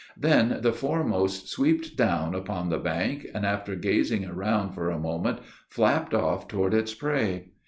Then the foremost swooped down upon the bank, and, after gazing around for a moment, flapped off toward its prey.